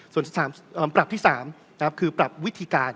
ส่วนปรับที่๓คือปรับวิธีการ